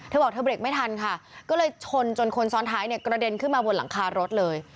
เธอบอกเธอเบรกไม่ทันค่ะก็เลยชนจนคนซ้อนท้ายเนี่ยกระเด็นขึ้นมาบนหลังคารถเลย